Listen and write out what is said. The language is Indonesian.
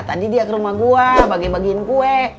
tadi dia ke rumah gue bagi bagiin kue